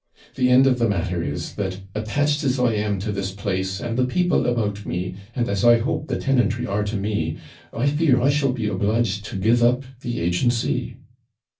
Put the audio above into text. The end of the matter is, that, attached as I am to this place and the people about me, and, as I hope, the tenantry are to me I fear I shall be obliged to give up the agency.'